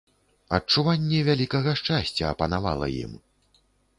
Адчуванне вялікага шчасця апанавала ім.